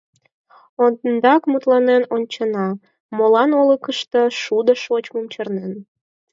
Ондак мутланен ончена: молан олыкышто шудо шочмым чарнен?